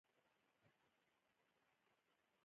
ناروغان د درملنې لپاره هند ته ځي.